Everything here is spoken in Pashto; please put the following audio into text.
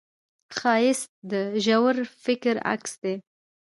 ښایست د ژور فکر عکس دی